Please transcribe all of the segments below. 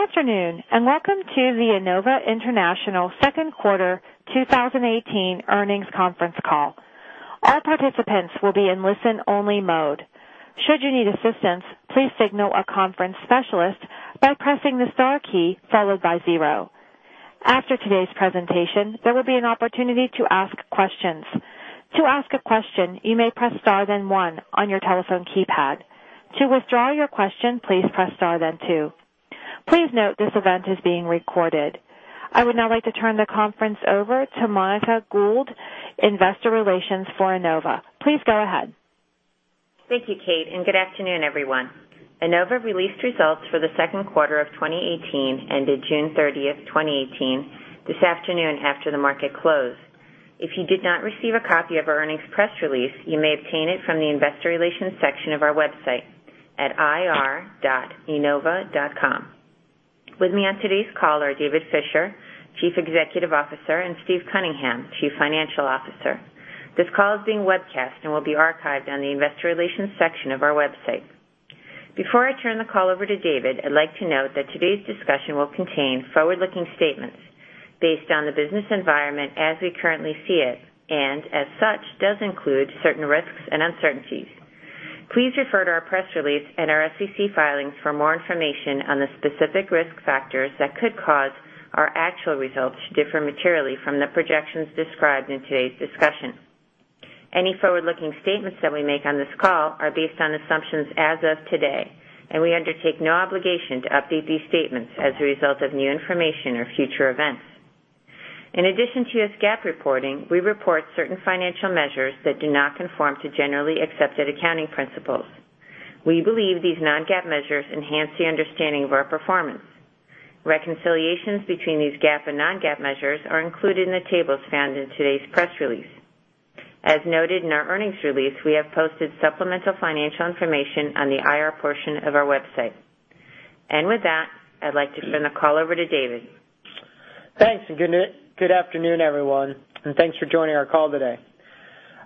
Good afternoon, and welcome to the Enova International second quarter 2018 earnings conference call. All participants will be in listen-only mode. Should you need assistance, please signal our conference specialist by pressing the star key followed by zero. After today's presentation, there will be an opportunity to ask questions. To ask a question, you may press star then one on your telephone keypad. To withdraw your question, please press star then two. Please note this event is being recorded. I would now like to turn the conference over to Monica Gould, investor relations for Enova. Please go ahead. Thank you, Kate, good afternoon, everyone. Enova released results for the second quarter of 2018, ended June 30th, 2018 this afternoon after the market closed. If you did not receive a copy of our earnings press release, you may obtain it from the investor relations section of our website at ir.enova.com. With me on today's call are David Fisher, Chief Executive Officer, and Steve Cunningham, Chief Financial Officer. This call is being webcast and will be archived on the investor relations section of our website. Before I turn the call over to David, I'd like to note that today's discussion will contain forward-looking statements based on the business environment as we currently see it, as such, does include certain risks and uncertainties. Please refer to our press release and our SEC filings for more information on the specific risk factors that could cause our actual results to differ materially from the projections described in today's discussion. Any forward-looking statements that we make on this call are based on assumptions as of today, we undertake no obligation to update these statements as a result of new information or future events. In addition to U.S. GAAP reporting, we report certain financial measures that do not conform to generally accepted accounting principles. We believe these non-GAAP measures enhance the understanding of our performance. Reconciliations between these GAAP and non-GAAP measures are included in the tables found in today's press release. As noted in our earnings release, we have posted supplemental financial information on the IR portion of our website. With that, I'd like to turn the call over to David. Thanks, good afternoon, everyone, thanks for joining our call today.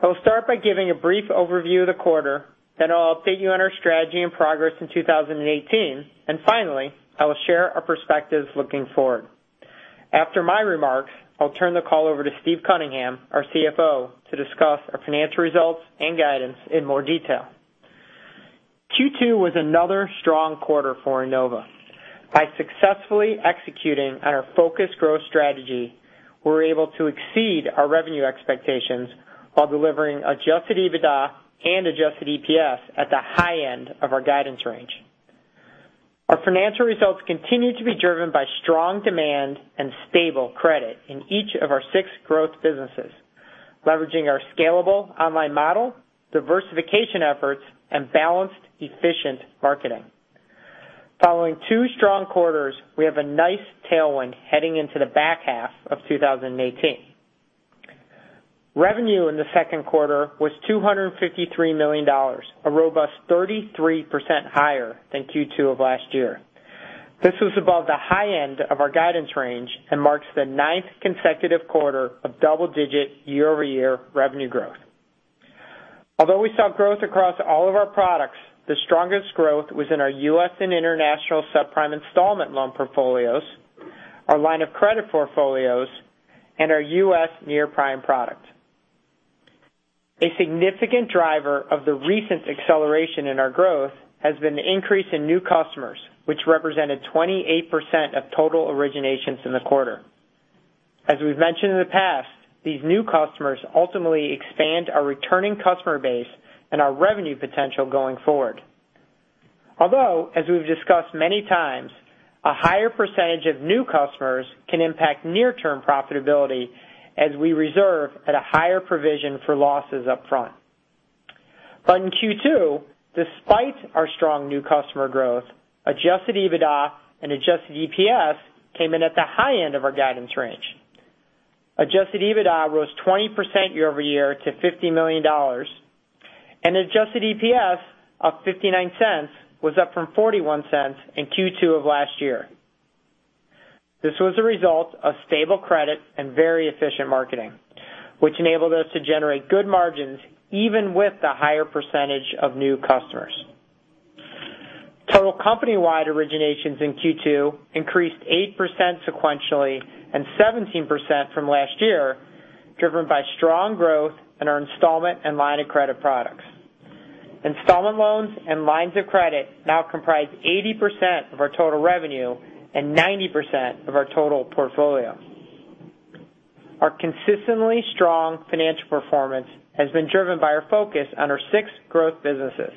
I will start by giving a brief overview of the quarter, then I'll update you on our strategy and progress in 2018, finally, I will share our perspectives looking forward. After my remarks, I'll turn the call over to Steve Cunningham, our CFO, to discuss our financial results and guidance in more detail. Q2 was another strong quarter for Enova. By successfully executing on our focused growth strategy, we were able to exceed our revenue expectations while delivering adjusted EBITDA and adjusted EPS at the high end of our guidance range. Our financial results continue to be driven by strong demand and stable credit in each of our six growth businesses, leveraging our scalable online model, diversification efforts, balanced, efficient marketing. Following two strong quarters, we have a nice tailwind heading into the back half of 2018. Revenue in the second quarter was $253 million, a robust 33% higher than Q2 of last year. This was above the high end of our guidance range and marks the ninth consecutive quarter of double-digit year-over-year revenue growth. Although we saw growth across all of our products, the strongest growth was in our U.S. and international subprime installment loan portfolios, our line of credit portfolios, and our U.S. near-prime product. A significant driver of the recent acceleration in our growth has been the increase in new customers, which represented 28% of total originations in the quarter. As we've mentioned in the past, these new customers ultimately expand our returning customer base and our revenue potential going forward. As we've discussed many times, a higher percentage of new customers can impact near-term profitability as we reserve at a higher provision for losses up front. In Q2, despite our strong new customer growth, adjusted EBITDA and adjusted EPS came in at the high end of our guidance range. Adjusted EBITDA rose 20% year-over-year to $50 million, and adjusted EPS of $0.59 was up from $0.41 in Q2 of last year. This was a result of stable credit and very efficient marketing, which enabled us to generate good margins even with the higher percentage of new customers. Total company-wide originations in Q2 increased 8% sequentially and 17% from last year, driven by strong growth in our installment and line of credit products. Installment loans and lines of credit now comprise 80% of our total revenue and 90% of our total portfolio. Our consistently strong financial performance has been driven by our focus on our six growth businesses,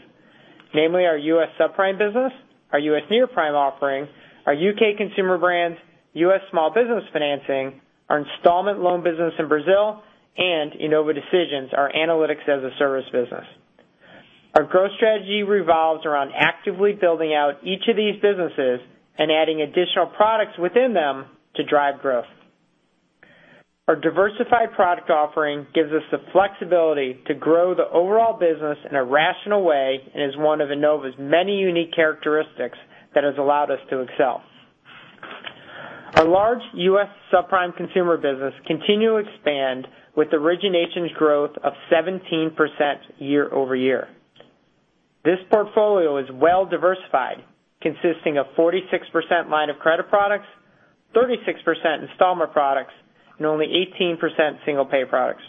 namely our U.S. subprime business, our U.S. near-prime offering, our U.K. consumer brands, U.S. small business financing, our installment loan business in Brazil, and Enova Decisions, our analytics-as-a-service business. Our growth strategy revolves around actively building out each of these businesses and adding additional products within them to drive growth. Our diversified product offering gives us the flexibility to grow the overall business in a rational way and is one of Enova's many unique characteristics that has allowed us to excel. Our large U.S. subprime consumer business continued to expand with originations growth of 17% year-over-year. This portfolio is well-diversified, consisting of 46% line of credit products, 36% installment products, and only 18% single pay products.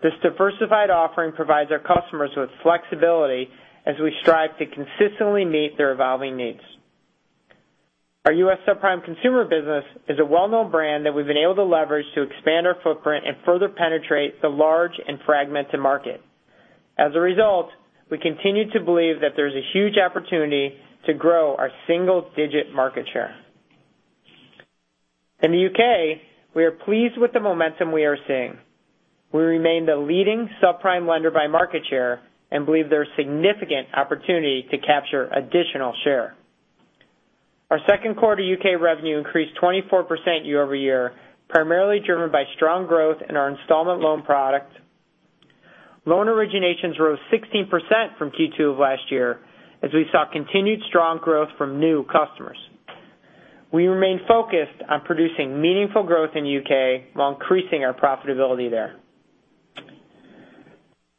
This diversified offering provides our customers with flexibility as we strive to consistently meet their evolving needs. Our U.S. subprime consumer business is a well-known brand that we've been able to leverage to expand our footprint and further penetrate the large and fragmented market. As a result, we continue to believe that there's a huge opportunity to grow our single-digit market share. In the U.K., we are pleased with the momentum we are seeing. We remain the leading subprime lender by market share and believe there is significant opportunity to capture additional share. Our second quarter U.K. revenue increased 24% year-over-year, primarily driven by strong growth in our installment loan product. Loan originations rose 16% from Q2 of last year, as we saw continued strong growth from new customers. We remain focused on producing meaningful growth in U.K. while increasing our profitability there.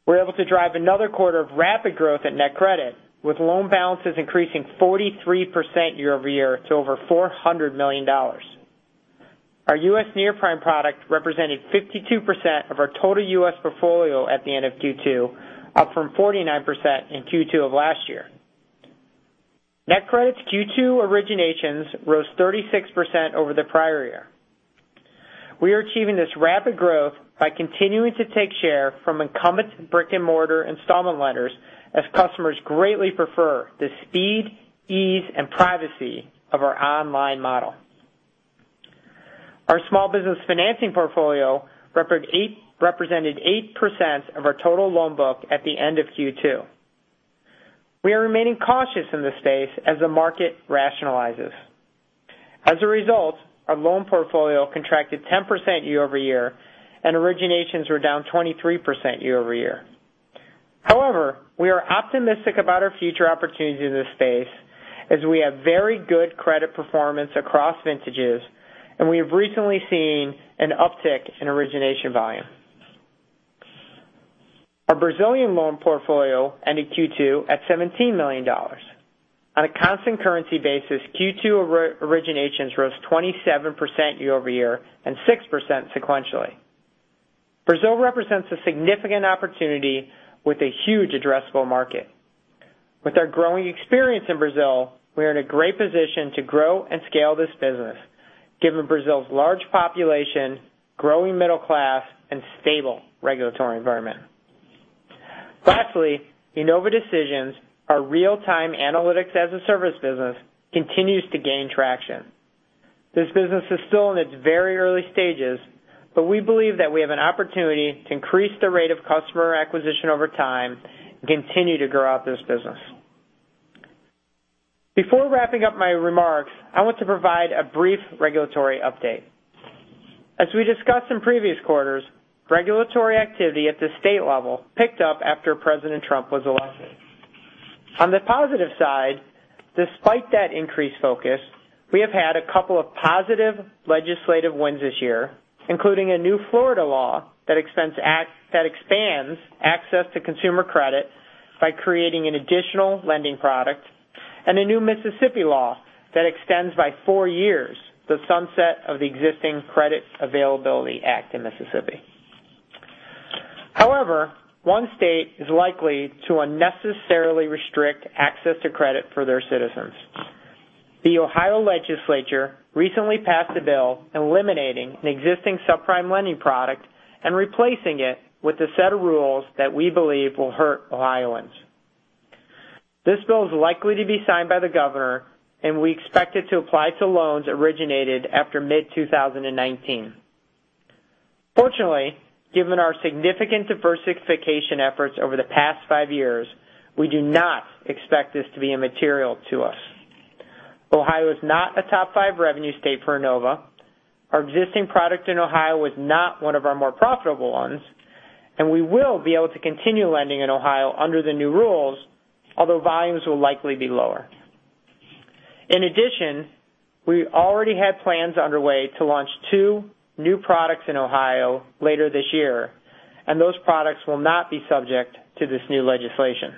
We were able to drive another quarter of rapid growth at NetCredit, with loan balances increasing 43% year-over-year to over $400 million. Our U.S. near-prime product represented 52% of our total U.S. portfolio at the end of Q2, up from 49% in Q2 of last year. NetCredit's Q2 originations rose 36% over the prior year. We are achieving this rapid growth by continuing to take share from incumbent brick-and-mortar installment lenders, as customers greatly prefer the speed, ease, and privacy of our online model. Our small business financing portfolio represented 8% of our total loan book at the end of Q2. We are remaining cautious in this space as the market rationalizes. As a result, our loan portfolio contracted 10% year-over-year, and originations were down 23% year-over-year. However, we are optimistic about our future opportunity in this space, as we have very good credit performance across vintages, and we have recently seen an uptick in origination volume. Our Brazilian loan portfolio ended Q2 at $17 million. On a constant currency basis, Q2 originations rose 27% year-over-year and 6% sequentially. Brazil represents a significant opportunity with a huge addressable market. With our growing experience in Brazil, we are in a great position to grow and scale this business, given Brazil's large population, growing middle class, and stable regulatory environment. Lastly, Enova Decisions, our real-time analytics-as-a-service business, continues to gain traction. This business is still in its very early stages, but we believe that we have an opportunity to increase the rate of customer acquisition over time and continue to grow out this business. Before wrapping up my remarks, I want to provide a brief regulatory update. As we discussed in previous quarters, regulatory activity at the state level picked up after President Trump was elected. On the positive side, despite that increased focus, we have had a couple of positive legislative wins this year, including a new Florida law that expands access to consumer credit by creating an additional lending product, and a new Mississippi law that extends by four years the sunset of the existing Credit Availability Act in Mississippi. However, one state is likely to unnecessarily restrict access to credit for their citizens. The Ohio legislature recently passed a bill eliminating an existing subprime lending product and replacing it with a set of rules that we believe will hurt Ohioans. This bill is likely to be signed by the governor, and we expect it to apply to loans originated after mid-2019. Fortunately, given our significant diversification efforts over the past five years, we do not expect this to be immaterial to us. Ohio is not a top five revenue state for Enova. Our existing product in Ohio was not one of our more profitable ones, and we will be able to continue lending in Ohio under the new rules, although volumes will likely be lower. In addition, we already had plans underway to launch two new products in Ohio later this year, and those products will not be subject to this new legislation.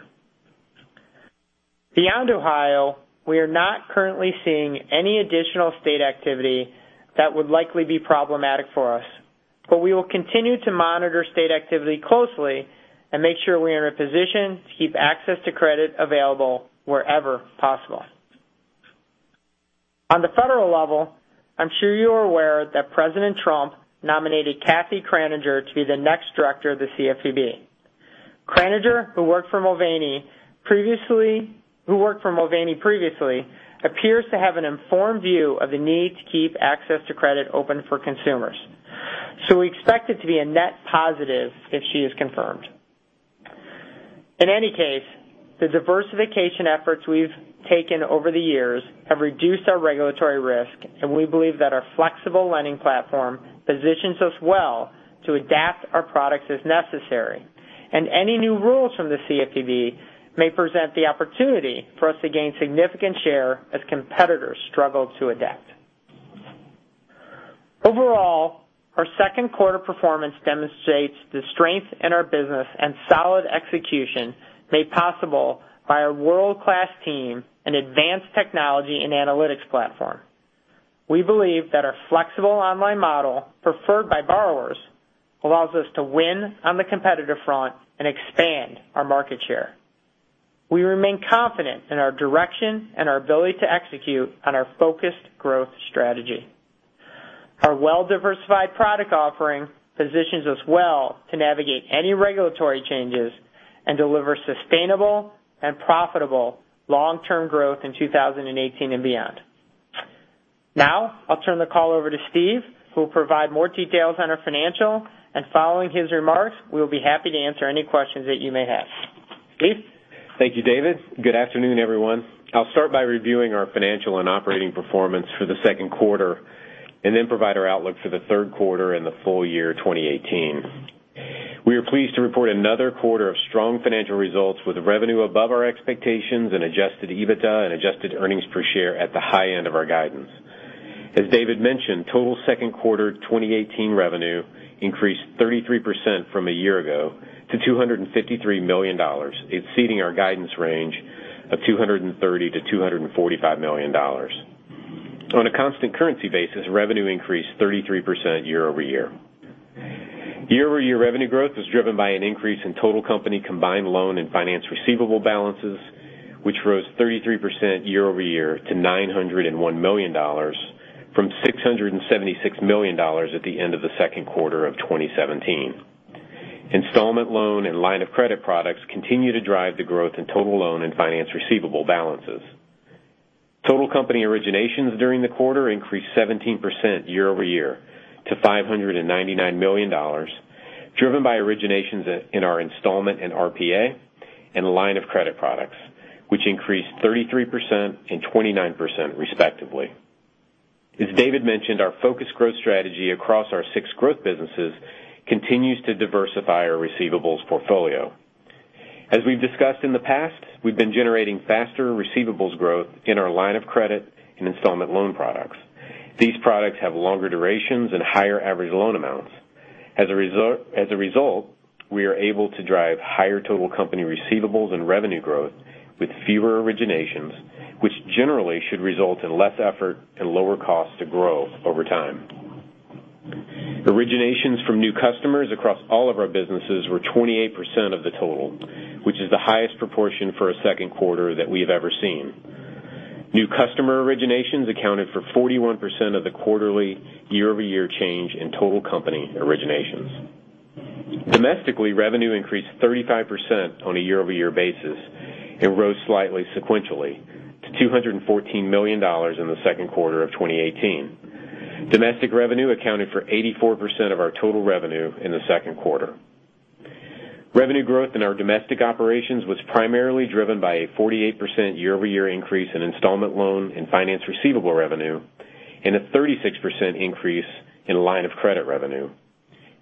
Beyond Ohio, we are not currently seeing any additional state activity that would likely be problematic for us, but we will continue to monitor state activity closely and make sure we are in a position to keep access to credit available wherever possible. On the federal level, I'm sure you are aware that President Trump nominated Kathy Kraninger to be the next director of the CFPB. Kraninger, who worked for Mulvaney previously, appears to have an informed view of the need to keep access to credit open for consumers. We expect it to be a net positive if she is confirmed. In any case, the diversification efforts we've taken over the years have reduced our regulatory risk, and we believe that our flexible lending platform positions us well to adapt our products as necessary. Any new rules from the CFPB may present the opportunity for us to gain significant share as competitors struggle to adapt. Overall, our second quarter performance demonstrates the strength in our business and solid execution made possible by our world-class team and advanced technology and analytics platform. We believe that our flexible online model, preferred by borrowers, allows us to win on the competitive front and expand our market share. We remain confident in our direction and our ability to execute on our focused growth strategy. Our well-diversified product offering positions us well to navigate any regulatory changes and deliver sustainable and profitable long-term growth in 2018 and beyond. Now, I'll turn the call over to Steve, who will provide more details on our financial, and following his remarks, we'll be happy to answer any questions that you may have. Steve? Thank you, David. Good afternoon, everyone. I'll start by reviewing our financial and operating performance for the second quarter, and then provide our outlook for the third quarter and the full year 2018. We are pleased to report another quarter of strong financial results with revenue above our expectations and adjusted EBITDA and adjusted earnings per share at the high end of our guidance. As David mentioned, total second quarter 2018 revenue increased 33% from a year ago to $253 million, exceeding our guidance range of $230 million-$245 million. On a constant currency basis, revenue increased 33% year-over-year. Year-over-year revenue growth was driven by an increase in total company combined loan and finance receivable balances, which rose 33% year-over-year to $901 million from $676 million at the end of the second quarter of 2017. Installment loan and line of credit products continue to drive the growth in total loan and finance receivable balances. Total company originations during the quarter increased 17% year-over-year to $599 million, driven by originations in our installment and RPA and line of credit products, which increased 33% and 29% respectively. As David mentioned, our focused growth strategy across our six growth businesses continues to diversify our receivables portfolio. As we've discussed in the past, we've been generating faster receivables growth in our line of credit and installment loan products. These products have longer durations and higher average loan amounts. As a result, we are able to drive higher total company receivables and revenue growth with fewer originations, which generally should result in less effort and lower cost to growth over time. Originations from new customers across all of our businesses were 28% of the total, which is the highest proportion for a second quarter that we have ever seen. New customer originations accounted for 41% of the quarterly year-over-year change in total company originations. Domestically, revenue increased 35% on a year-over-year basis and rose slightly sequentially to $214 million in the second quarter of 2018. Domestic revenue accounted for 84% of our total revenue in the second quarter. Revenue growth in our domestic operations was primarily driven by a 48% year-over-year increase in installment loan and finance receivable revenue, and a 36% increase in line of credit revenue.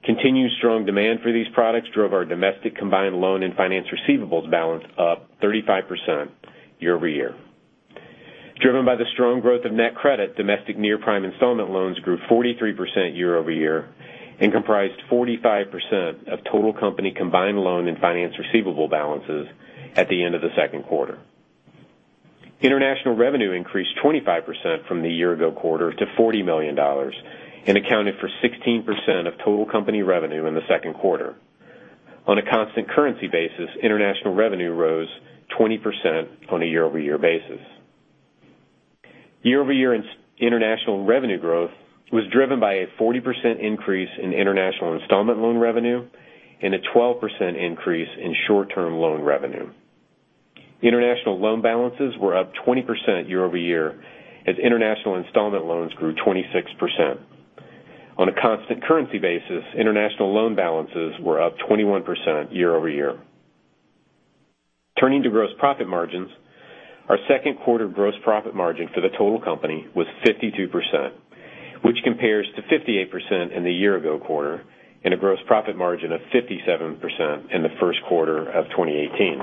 Continued strong demand for these products drove our domestic combined loan and finance receivables balance up 35% year-over-year. Driven by the strong growth of NetCredit, domestic near-prime installment loans grew 43% year-over-year and comprised 45% of total company combined loan and finance receivable balances at the end of the second quarter. International revenue increased 25% from the year ago quarter to $40 million and accounted for 16% of total company revenue in the second quarter. On a constant currency basis, international revenue rose 20% on a year-over-year basis. Year-over-year international revenue growth was driven by a 40% increase in international installment loan revenue and a 12% increase in short-term loan revenue. International loan balances were up 20% year-over-year as international installment loans grew 26%. On a constant currency basis, international loan balances were up 21% year-over-year. Turning to gross profit margins, our second quarter gross profit margin for the total company was 52%, which compares to 58% in the year ago quarter and a gross profit margin of 57% in the first quarter of 2018.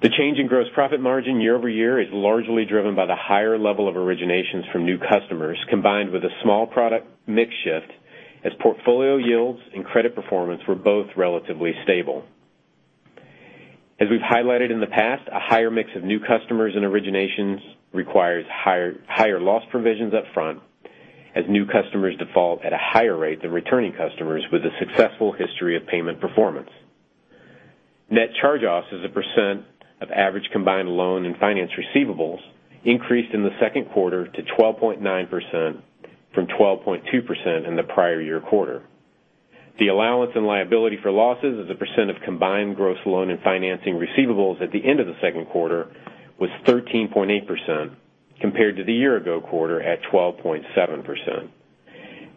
The change in gross profit margin year-over-year is largely driven by the higher level of originations from new customers, combined with a small product mix shift as portfolio yields and credit performance were both relatively stable. As we've highlighted in the past, a higher mix of new customers and originations requires higher loss provisions upfront as new customers default at a higher rate than returning customers with a successful history of payment performance. Net charge-offs as a percent of average combined loan and finance receivables increased in the second quarter to 12.9% from 12.2% in the prior year quarter. The allowance and liability for losses as a percent of combined gross loan and financing receivables at the end of the second quarter was 13.8%, compared to the year ago quarter at 12.7%.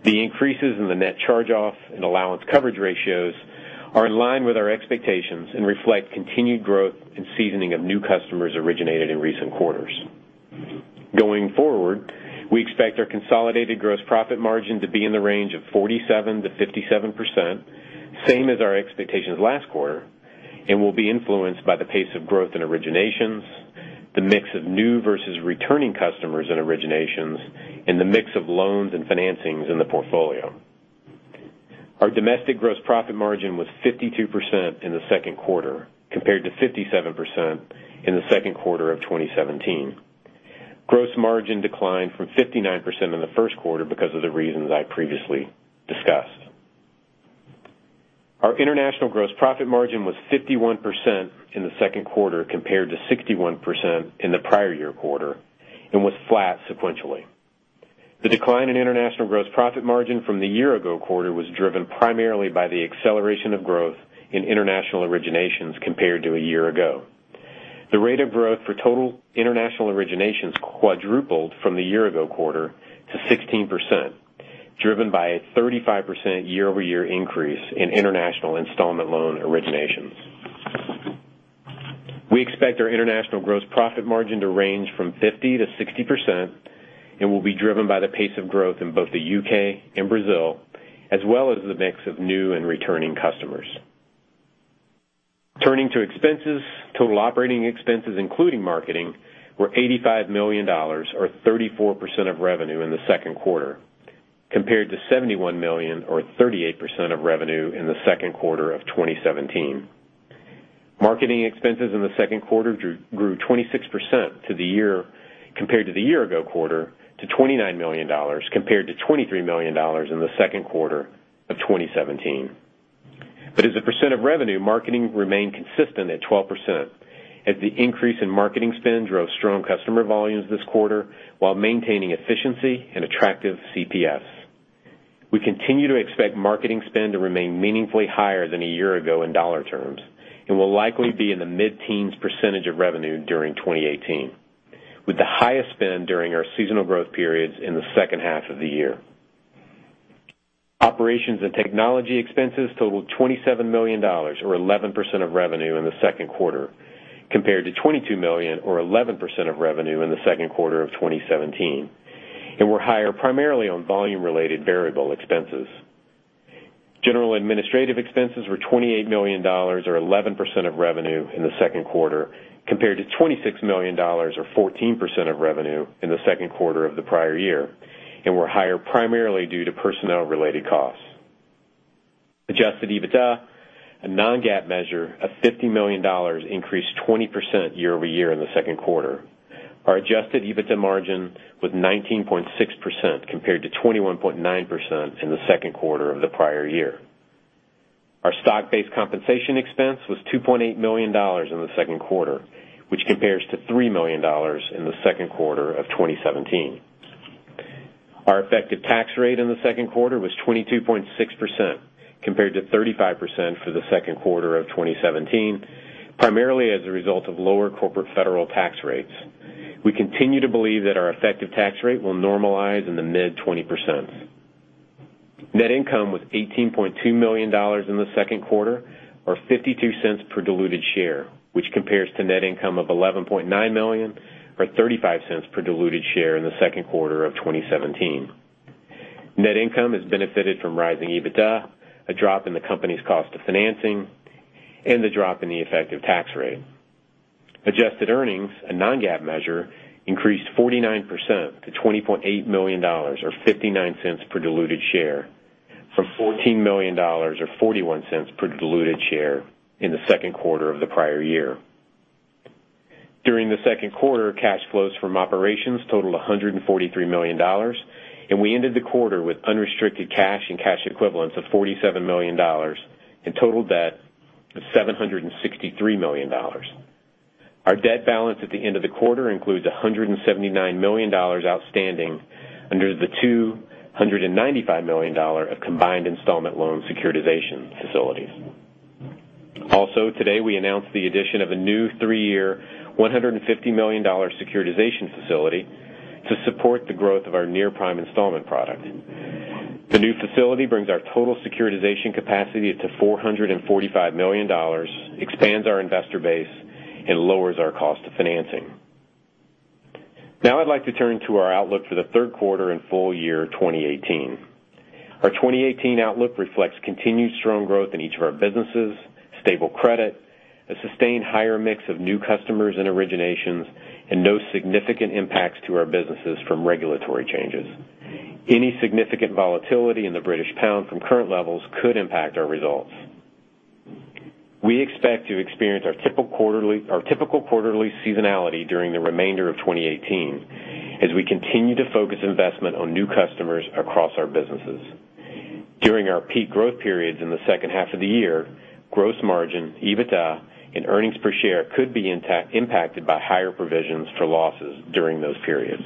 The increases in the net charge-off and allowance coverage ratios are in line with our expectations and reflect continued growth and seasoning of new customers originated in recent quarters. Going forward, we expect our consolidated gross profit margin to be in the range of 47%-57%, same as our expectations last quarter, and will be influenced by the pace of growth in originations, the mix of new versus returning customers in originations, and the mix of loans and financings in the portfolio. Our domestic gross profit margin was 52% in the second quarter, compared to 57% in the second quarter of 2017. Gross margin declined from 59% in the first quarter because of the reasons I previously discussed. Our international gross profit margin was 51% in the second quarter compared to 61% in the prior year quarter and was flat sequentially. The decline in international gross profit margin from the year-ago quarter was driven primarily by the acceleration of growth in international originations compared to a year ago. The rate of growth for total international originations quadrupled from the year-ago quarter to 16%, driven by a 35% year-over-year increase in international installment loan originations. We expect our international gross profit margin to range from 50%-60% and will be driven by the pace of growth in both the U.K. and Brazil, as well as the mix of new and returning customers. Turning to expenses, total operating expenses, including marketing, were $85 million, or 34% of revenue in the second quarter, compared to $71 million or 38% of revenue in the second quarter of 2017. Marketing expenses in the second quarter grew 26% compared to the year-ago quarter to $29 million, compared to $23 million in the second quarter of 2017. As a percent of revenue, marketing remained consistent at 12%, as the increase in marketing spend drove strong customer volumes this quarter while maintaining efficiency and attractive CPA. We continue to expect marketing spend to remain meaningfully higher than a year ago in dollar terms and will likely be in the mid-teens percentage of revenue during 2018, with the highest spend during our seasonal growth periods in the second half of the year. Operations and technology expenses totaled $27 million, or 11% of revenue in the second quarter, compared to $22 million or 11% of revenue in the second quarter of 2017, and were higher primarily on volume-related variable expenses. General Administrative Expenses were $28 million or 11% of revenue in the second quarter, compared to $26 million or 14% of revenue in the second quarter of the prior year and were higher primarily due to personnel-related costs. Adjusted EBITDA, a non-GAAP measure of $50 million, increased 20% year-over-year in the second quarter. Our adjusted EBITDA margin was 19.6%, compared to 21.9% in the second quarter of the prior year. Our stock-based compensation expense was $2.8 million in the second quarter, which compares to $3 million in the second quarter of 2017. Our effective tax rate in the second quarter was 22.6%, compared to 35% for the second quarter of 2017, primarily as a result of lower corporate federal tax rates. We continue to believe that our effective tax rate will normalize in the mid-20%. Net income was $18.2 million in the second quarter, or $0.52 per diluted share, which compares to net income of $11.9 million or $0.35 per diluted share in the second quarter of 2017. Net income has benefited from rising EBITDA, a drop in the company's cost of financing, and the drop in the effective tax rate. Adjusted earnings, a non-GAAP measure, increased 49% to $20.8 million or $0.59 per diluted share from $14 million or $0.41 per diluted share in the second quarter of the prior year. During the second quarter, cash flows from operations totaled $143 million. We ended the quarter with unrestricted cash and cash equivalents of $47 million and total debt of $763 million. Our debt balance at the end of the quarter includes $179 million outstanding under the $295 million of combined installment loan securitization facilities. Today, we announced the addition of a new three-year, $150 million securitization facility to support the growth of our near-prime installment product. The new facility brings our total securitization capacity to $445 million, expands our investor base, and lowers our cost of financing. I'd like to turn to our outlook for the third quarter and full year 2018. Our 2018 outlook reflects continued strong growth in each of our businesses, stable credit, a sustained higher mix of new customers and originations, no significant impacts to our businesses from regulatory changes. Any significant volatility in the British pound from current levels could impact our results. We expect to experience our typical quarterly seasonality during the remainder of 2018 as we continue to focus investment on new customers across our businesses. During our peak growth periods in the second half of the year, gross margin, EBITDA, and earnings per share could be impacted by higher provisions for losses during those periods.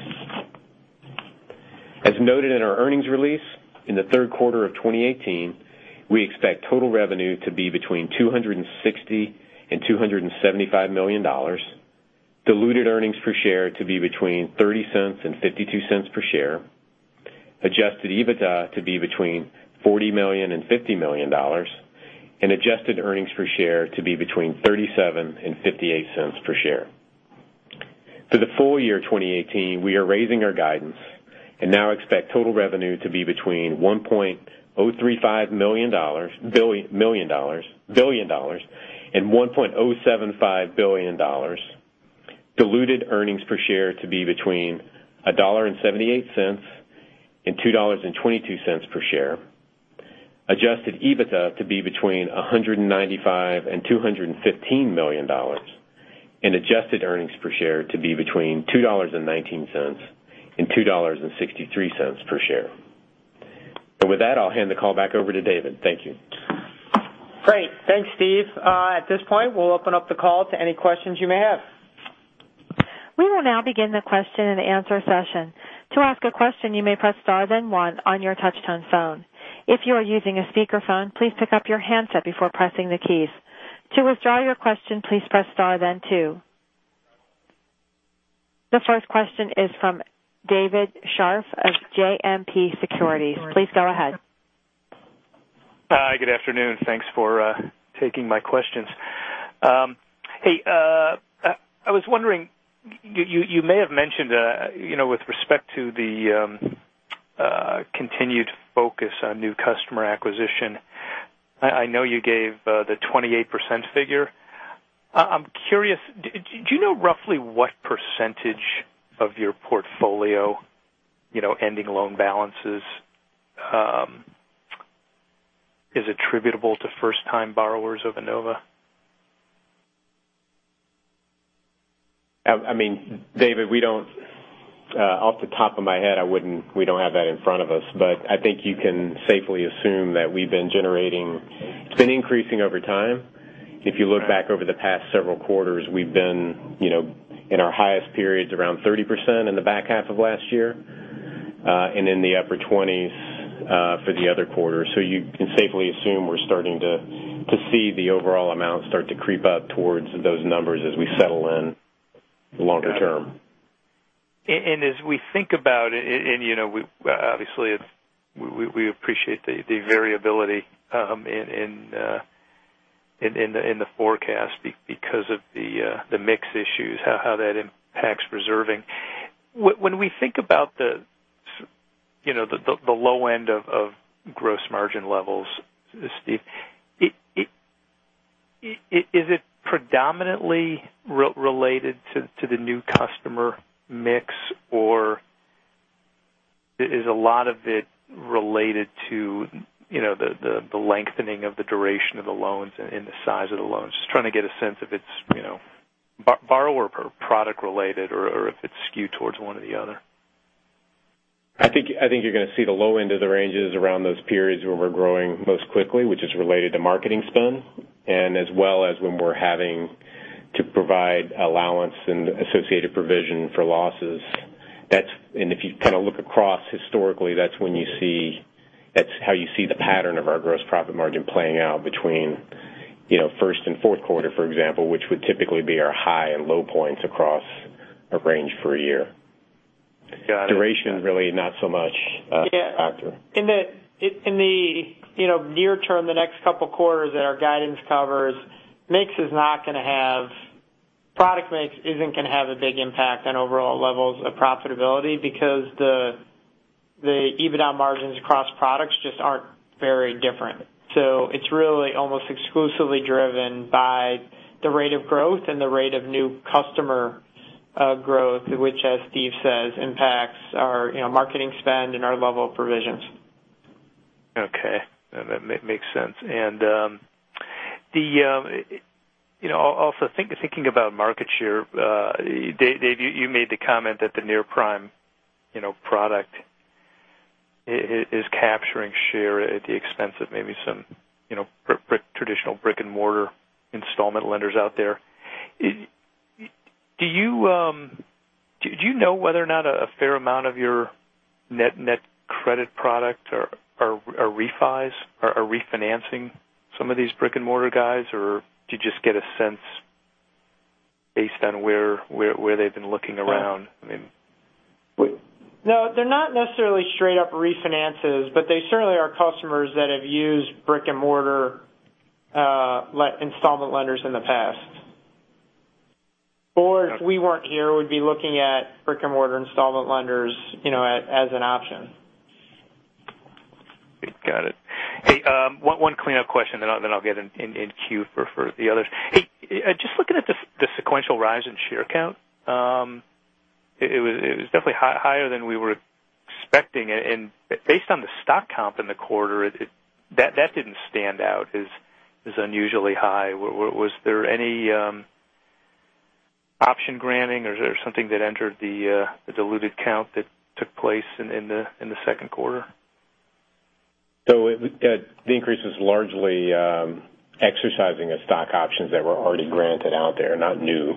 As noted in our earnings release, in the third quarter of 2018, we expect total revenue to be between $260 million and $275 million, diluted earnings per share to be between $0.30 and $0.52 per share. adjusted EBITDA to be between $40 million and $50 million, adjusted earnings per share to be between $0.37 and $0.58 per share. For the full year 2018, we are raising our guidance and now expect total revenue to be between $1.035 billion and $1.075 billion, diluted earnings per share to be between $1.78 and $2.22 per share, adjusted EBITDA to be between $195 million and $215 million, and adjusted earnings per share to be between $2.19 and $2.63 per share. With that, I'll hand the call back over to David. Thank you. Great. Thanks, Steve. At this point, we'll open up the call to any questions you may have. We will now begin the question and answer session. To ask a question, you may press star then one on your touch-tone phone. If you are using a speakerphone, please pick up your handset before pressing the keys. To withdraw your question, please press star then two. The first question is from David Scharf of JMP Securities. Please go ahead. Hi. Good afternoon. Thanks for taking my questions. Hey, I was wondering, you may have mentioned with respect to the continued focus on new customer acquisition. I know you gave the 28% figure. I'm curious, do you know roughly what percentage of your portfolio ending loan balances is attributable to first-time borrowers of Enova? David, off the top of my head, we don't have that in front of us. I think you can safely assume that it's been increasing over time. If you look back over the past several quarters, we've been in our highest periods, around 30% in the back half of last year, and in the upper 20s for the other quarter. You can safely assume we're starting to see the overall amount start to creep up towards those numbers as we settle in longer term. As we think about it, and obviously, we appreciate the variability in the forecast because of the mix issues, how that impacts reserving. When we think about the low end of gross margin levels, Steve, is it predominantly related to the new customer mix, or is a lot of it related to the lengthening of the duration of the loans and the size of the loans? Just trying to get a sense if it's borrower product related or if it's skewed towards one or the other. I think you're going to see the low end of the ranges around those periods where we're growing most quickly, which is related to marketing spend, as well as when we're having to provide allowance and associated provision for losses. If you kind of look across historically, that's how you see the pattern of our gross profit margin playing out between first and fourth quarter, for example, which would typically be our high and low points across a range for a year. Got it. Duration, really not so much a factor. In the near term, the next couple of quarters that our guidance covers, product mix isn't going to have a big impact on overall levels of profitability because the EBITDA margins across products just aren't very different. It's really almost exclusively driven by the rate of growth and the rate of new customer growth, which, as Steve says, impacts our marketing spend and our level of provisions. Okay. That makes sense. Thinking about market share, Dave, you made the comment that the near-prime product is capturing share at the expense of maybe some traditional brick and mortar installment lenders out there. Do you know whether or not a fair amount of your NetCredit product are refinancing some of these brick and mortar guys, or do you just get a sense based on where they've been looking around? No, they're not necessarily straight up refinances, they certainly are customers that have used brick and mortar installment lenders in the past. If we weren't here, would be looking at brick and mortar installment lenders as an option. Got it. One cleanup question, then I'll get in queue for the others. Just looking at the sequential rise in share count. It was definitely higher than we were expecting. Based on the stock comp in the quarter, that didn't stand out as unusually high. Was there any option granting, or is there something that entered the diluted count that took place in the second quarter? The increase is largely exercising of stock options that were already granted out there, not new.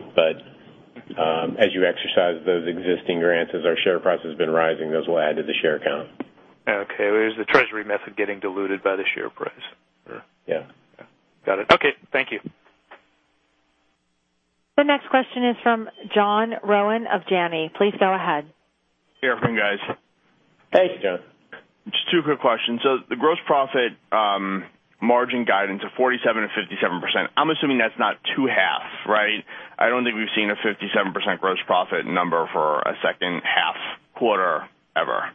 As you exercise those existing grants, as our share price has been rising, those will add to the share count. Okay. There's the treasury method getting diluted by the share price. Yeah. Got it. Okay. Thank you. The next question is from John Rowan of Janney. Please go ahead. Hey, everyone, guys. Hey, John. Just two quick questions. The gross profit margin guidance of 47%-57%, I'm assuming that's not two halves, right? I don't think we've seen a 57% gross profit number for a second half quarter ever.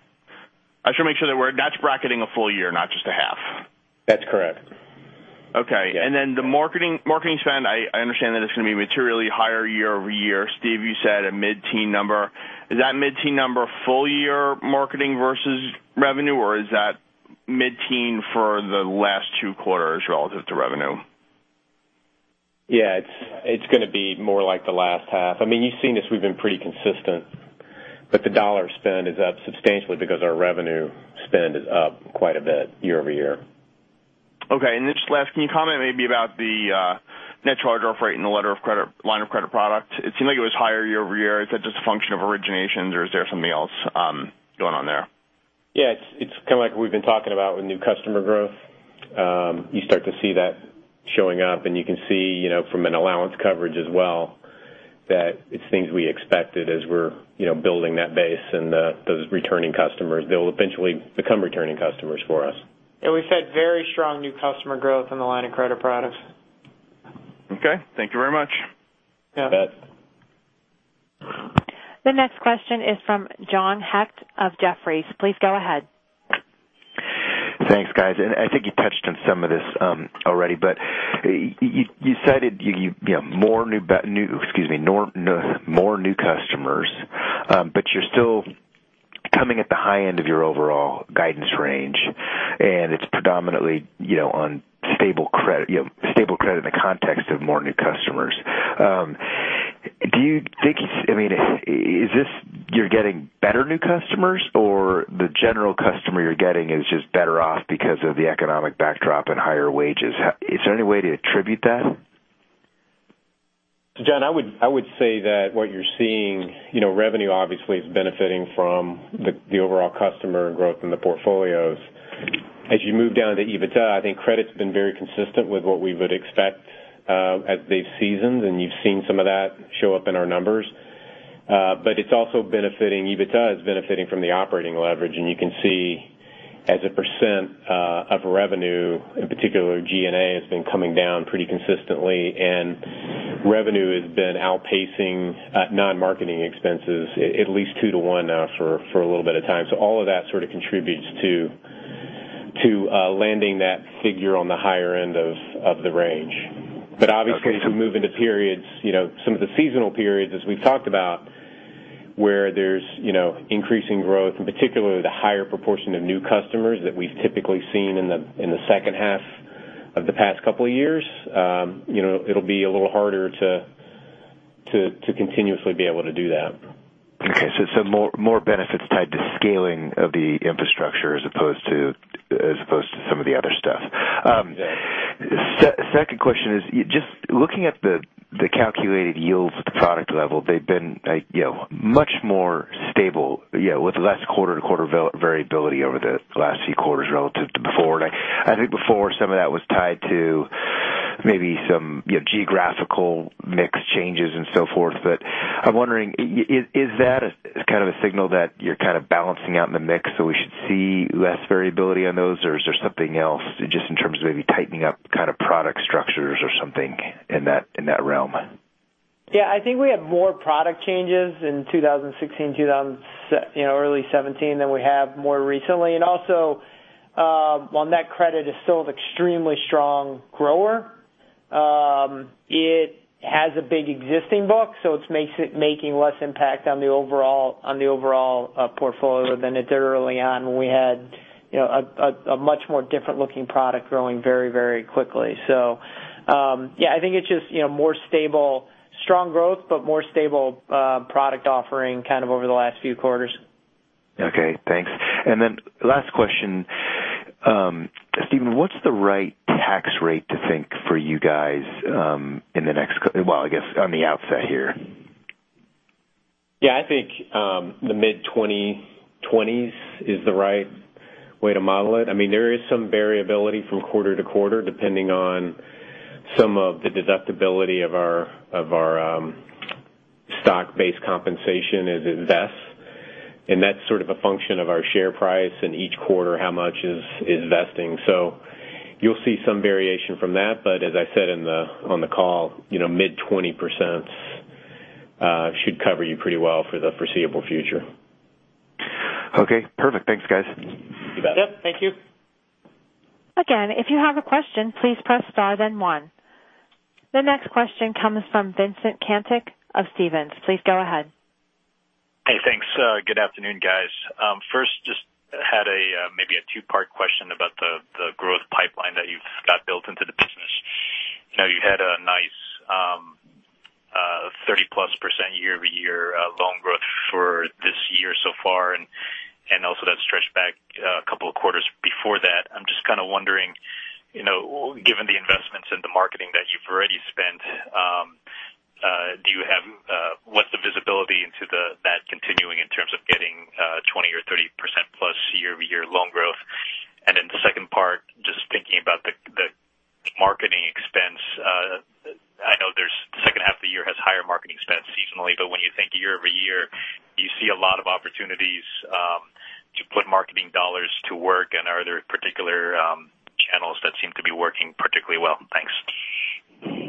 I just want to make sure that that's bracketing a full year, not just a half. That's correct. The marketing spend, I understand that it's going to be materially higher year-over-year. Steve, you said a mid-teen number. Is that mid-teen number full year marketing versus revenue, or is that mid-teen for the last two quarters relative to revenue? It's going to be more like the last half. You've seen this, we've been pretty consistent. The dollar spend is up substantially because our revenue spend is up quite a bit year-over-year. Just last, can you comment maybe about the net charge-off rate in the line of credit product? It seemed like it was higher year-over-year. Is that just a function of originations or is there something else going on there? It's kind of like we've been talking about with new customer growth. You start to see that showing up and you can see from an allowance coverage as well, that it's things we expected as we're building that base and those returning customers. They'll eventually become returning customers for us. We've had very strong new customer growth in the line of credit products. Okay. Thank you very much. You bet. Yeah. The next question is from John Hecht of Jefferies. Please go ahead. Thanks, guys. I think you touched on some of this already, but you cited more new customers, but you're still coming at the high end of your overall guidance range, and it's predominantly on stable credit in the context of more new customers. Is this you're getting better new customers or the general customer you're getting is just better off because of the economic backdrop and higher wages? Is there any way to attribute that? John, I would say that what you're seeing, revenue obviously is benefiting from the overall customer growth in the portfolios. As you move down to EBITDA, I think credit's been very consistent with what we would expect as they've seasoned, and you've seen some of that show up in our numbers. Also, EBITDA is benefiting from the operating leverage, and you can see as a percent of revenue, in particular G&A, has been coming down pretty consistently, and revenue has been outpacing non-marketing expenses at least two to one now for a little bit of time. All of that sort of contributes to landing that figure on the higher end of the range. Obviously, as we move into periods, some of the seasonal periods as we've talked about, where there's increasing growth, and particularly the higher proportion of new customers that we've typically seen in the second half of the past couple of years, it'll be a little harder to continuously be able to do that. Okay. More benefits tied to scaling of the infrastructure as opposed to some of the other stuff. Yeah. Second question is, just looking at the calculated yields at the product level, they've been much more stable with less quarter-to-quarter variability over the last few quarters relative to before. I think before, some of that was tied to maybe some geographical mix changes and so forth. I'm wondering, is that a kind of a signal that you're kind of balancing out in the mix, so we should see less variability on those? Or is there something else just in terms of maybe tightening up kind of product structures or something in that realm? Yeah, I think we had more product changes in 2016, early 2017 than we have more recently. Also, while NetCredit is still an extremely strong grower, it has a big existing book, so it's making less impact on the overall portfolio than it did early on when we had a much more different looking product growing very quickly. I think it's just more stable, strong growth, but more stable product offering kind of over the last few quarters. Okay, thanks. Then last question. Steve, what's the right tax rate to think for you guys, well, I guess on the outset here? Yeah. I think the mid-20s is the right way to model it. There is some variability from quarter-to-quarter, depending on some of the deductibility of our stock-based compensation as it vests, and that's sort of a function of our share price in each quarter, how much is vesting. You'll see some variation from that. As I said on the call, mid-20% should cover you pretty well for the foreseeable future. Okay, perfect. Thanks, guys. You bet. Yep, thank you. Again, if you have a question, please press star then one. The next question comes from Vincent Caintic of Stephens. Please go ahead. Hey, thanks. Good afternoon, guys. First, just had maybe a two-part question about the growth pipeline that you've got built into the business. You had a nice 30-plus% year-over-year loan growth for this year so far, and also that stretched back a couple of quarters before that. I'm just kind of wondering, given the investments in the marketing that you've already spent, what's the visibility into The marketing expense, I know the second half of the year has higher marketing expense seasonally, but when you think year-over-year, do you see a lot of opportunities to put marketing dollars to work? Are there particular channels that seem to be working particularly well? Thanks.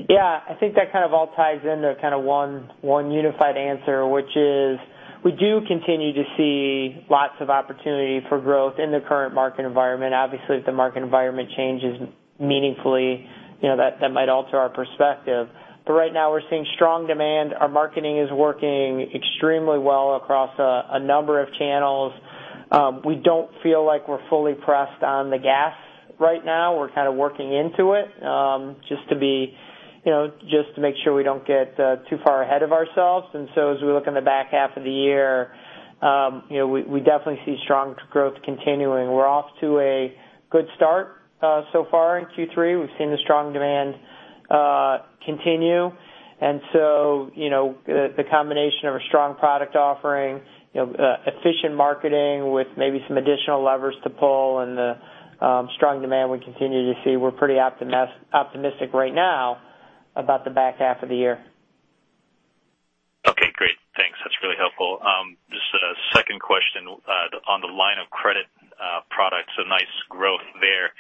Yeah. I think that kind of all ties into kind of one unified answer, which is we do continue to see lots of opportunity for growth in the current market environment. Obviously, if the market environment changes meaningfully, that might alter our perspective. Right now we're seeing strong demand. Our marketing is working extremely well across a number of channels. We don't feel like we're fully pressed on the gas right now. We're kind of working into it, just to make sure we don't get too far ahead of ourselves. As we look in the back half of the year, we definitely see strong growth continuing. We're off to a good start so far in Q3. We've seen the strong demand continue. The combination of a strong product offering, efficient marketing with maybe some additional levers to pull and the strong demand we continue to see, we're pretty optimistic right now about the back half of the year. Okay, great. Thanks. That's really helpful. Just a second question. On the line of credit products, a nice growth there.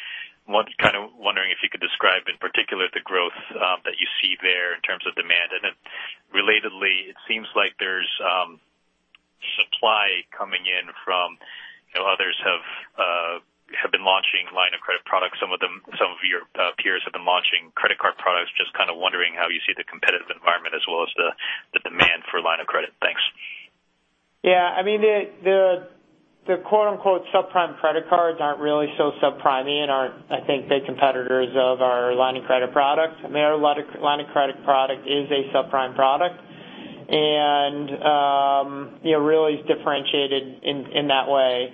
Kind of wondering if you could describe in particular the growth that you see there in terms of demand. Relatedly, it seems like there's supply coming in from others have been launching line of credit products. Some of your peers have been launching credit card products. Just kind of wondering how you see the competitive environment as well as the demand for line of credit. Thanks. Yeah. I mean, the quote unquote subprime credit cards aren't really so subprimey and aren't, I think, big competitors of our line of credit product. Their line of credit product is a subprime product, and really is differentiated in that way.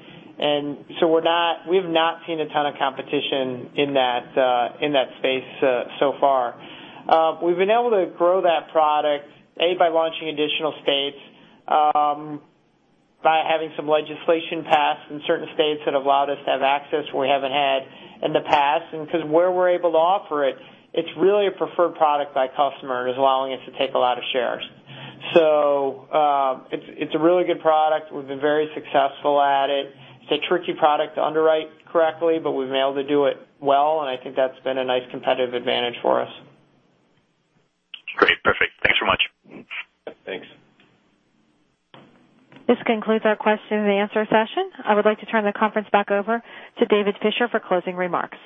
We've not seen a ton of competition in that space so far. We've been able to grow that product, A, by launching additional states, by having some legislation passed in certain states that have allowed us to have access we haven't had in the past. Because where we're able to offer it's really a preferred product by customer and is allowing us to take a lot of shares. It's a really good product. We've been very successful at it. It's a tricky product to underwrite correctly, but we've been able to do it well, and I think that's been a nice competitive advantage for us. Great. Perfect. Thanks so much. Thanks. This concludes our question and answer session. I would like to turn the conference back over to David Fisher for closing remarks.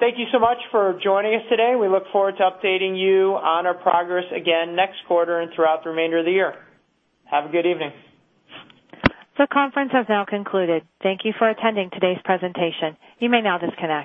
Thank you so much for joining us today. We look forward to updating you on our progress again next quarter and throughout the remainder of the year. Have a good evening. The conference has now concluded. Thank you for attending today's presentation. You may now disconnect.